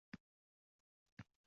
va buyuk.